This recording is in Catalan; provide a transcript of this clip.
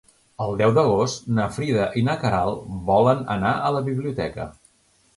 El deu d'agost na Frida i na Queralt volen anar a la biblioteca.